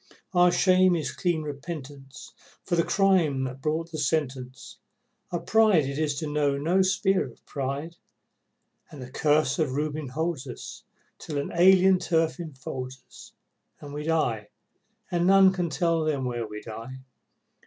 Our shame is clean repentance for the crime that brought the sentence, Our pride it is to know no spur of pride, And the Curse of Reuben holds us till an alien turf enfolds us And we die, and none can tell Them where we died.